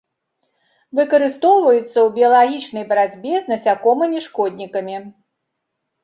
Выкарыстоўваецца ў біялагічнай барацьбе з насякомымі-шкоднікамі.